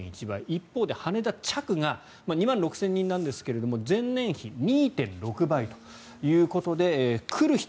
一方で羽田着が２万６０００人なんですが前年比２．６倍ということで来る人